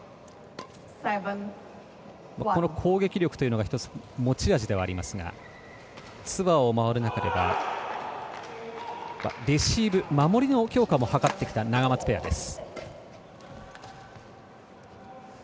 この攻撃力というのが持ち味ではありますがツアーを回る中ではレシーブ守りの強化も図ってきた永松ペアです。